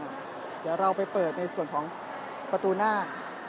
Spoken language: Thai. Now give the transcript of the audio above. เดี๋ยวจะให้ดูว่าค่ายมิซูบิชิเป็นอะไรนะคะ